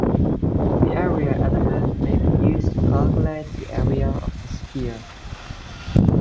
The area element may be used to calculate the area of the sphere.